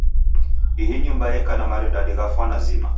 Ihi nyumba yeka na maridadi gha fwana zima.